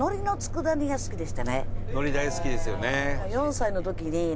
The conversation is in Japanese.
海苔大好きですよね。